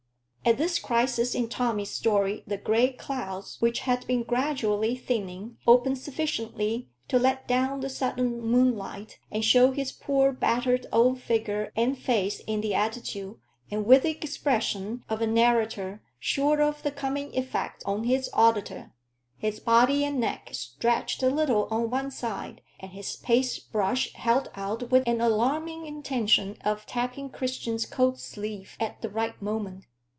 At this crisis in Tommy's story the gray clouds, which had been gradually thinning, opened sufficiently to let down the sudden moonlight, and show his poor battered old figure and face in the attitude and with the expression of a narrator sure of the coming effect on his auditor; his body and neck stretched a little on one side, and his paste brush held out with an alarming intention of tapping Christian's coat sleeve at the right moment.